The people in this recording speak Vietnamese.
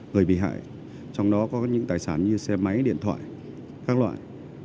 người bị hại trong đó có những tài sản như xe máy điện thoại các loại